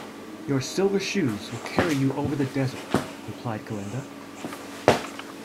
"Your Silver Shoes will carry you over the desert," replied Glinda.